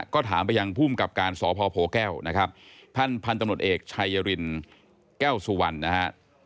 ก็ถามไปยังภูมิกับการสพโพแก้วนะครับท่านพันธุ์ตำรวจเอกชัยรินแก้วสุวรรณนะฮะ